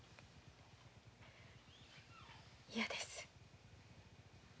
嫌です。